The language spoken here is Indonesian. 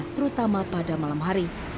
terutama pada malam hari